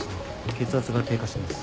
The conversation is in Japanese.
血圧が低下してます。